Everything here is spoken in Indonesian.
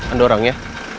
ada orang ya